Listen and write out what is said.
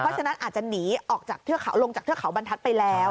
เพราะฉะนั้นอาจจะหนีออกจากเทือกเขาลงจากเทือกเขาบรรทัศน์ไปแล้ว